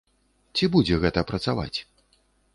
Ці будзе гэта працаваць?